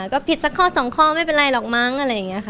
ก็ผิดสักข้อสองข้อไม่เป็นไรหรอกมั้งอะไรอย่างนี้ค่ะ